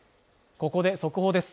ここで速報です。